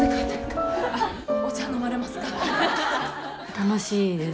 楽しいです。